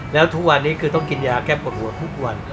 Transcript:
แล้วทุกวันนี้คือต้องกินยาแก้ปวดหัวทุกวัน